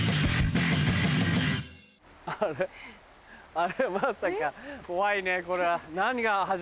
あれまさか怖いねこれは。